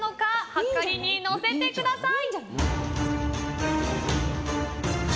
はかりに載せてください。